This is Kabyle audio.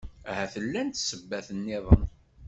Ahat llant ssebbat-nniḍen.